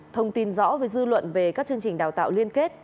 thông tin rõ với dư luận về các chương trình đào tạo liên kết